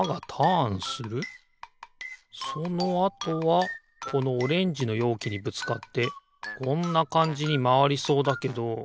そのあとはこのオレンジのようきにぶつかってこんなかんじにまわりそうだけど。